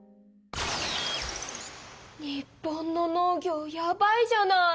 日本の農業やばいじゃない！